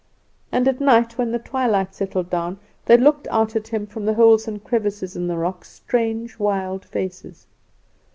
And at night, when the twilight settled down, there looked out at him from the holes and crevices in the rocks strange wild faces.